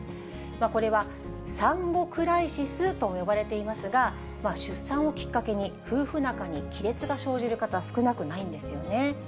これは産後クライシスとも呼ばれていますが、出産をきっかけに夫婦仲に亀裂が生じる方、少なくないんですよね。